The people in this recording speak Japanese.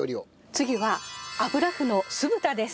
次は油麩の酢豚です。